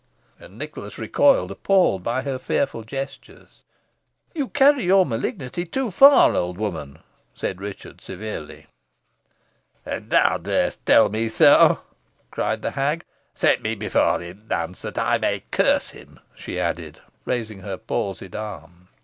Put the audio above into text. And Nicholas recoiled, appalled by her fearful gestures. "You carry your malignity too far, old woman," said Richard severely. "And thou darest tell me so," cried the hag. "Set me before him, Nance, that I may curse him," she added, raising her palsied arm.